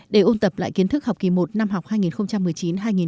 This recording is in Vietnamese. để ôn tập lại kiến thức học kỳ một năm học hai nghìn một mươi chín hai nghìn hai mươi